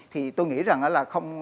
thì tôi nghĩ rằng là